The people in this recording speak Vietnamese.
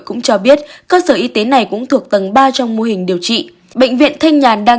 cũng cho biết cơ sở y tế này cũng thuộc tầng ba trong mô hình điều trị bệnh viện thanh nhàn đang